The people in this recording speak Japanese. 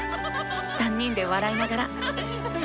３人で笑いながら。